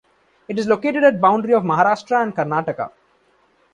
It is located at boundary of Maharashtra and Karnataka.